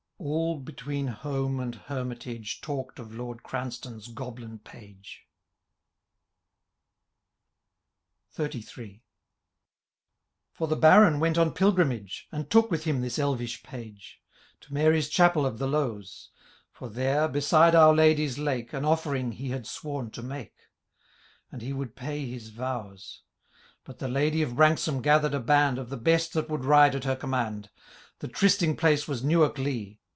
All between Home and Hermitage, Talk'd of Lord Cranstoun's Goblin Pagn. XXXIIL For the Baron went on pilgrimage. And took with hrni this elvish Page, To Maiy's Chapel of the Lowes : Digitized by VjOOQIC RO THB LAY OP Canto II For there, beside Our Ladye's lake, An offering he had sworn to make, And he would pay his vows. But the Ladye of Branksome gathered a band Of the best that would ride at her command :' The trysting place was Newark Lee.